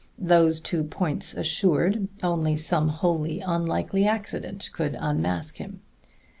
Those two points assured, only some wholly unlikely accident could unmask him.